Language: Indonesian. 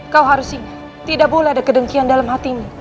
kau harus tidak boleh ada kedengkian dalam hatimu